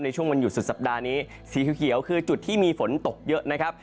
ในช่วงวันหยุดสุดสัปดาห์นี้สีเขียวคือจุดที่มีฝนตกเยอะนะครับ